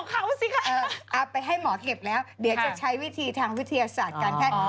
เขาสิคะเอาไปให้หมอเก็บแล้วเดี๋ยวจะใช้วิธีทางวิทยาศาสตร์การแพทย์